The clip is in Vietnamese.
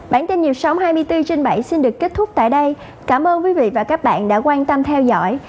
bản tin nhịp sống hai mươi bốn trên bảy xin được kết thúc tại đây cảm ơn quý vị và các bạn đã quan tâm theo dõi